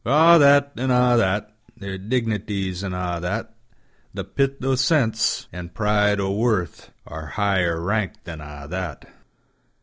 For a' that, an' a' that, Their dignities an' a' that; The pith o' sense, an' pride o' worth, Are higher rank than a' that.